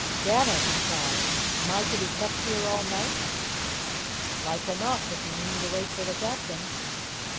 "Damn it!" he cried, "am I to be kept here all night?" "Like enough, if you mean to wait for the captain."